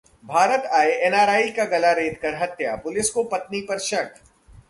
भारत आए एनआरआई की गला रेतकर हत्या, पुलिस को पत्नी पर शक